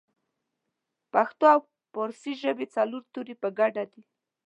پښتو او پارسۍ ژبې څلور توري په ګډه دي